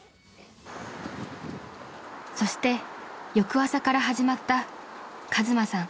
［そして翌朝から始まった和真さん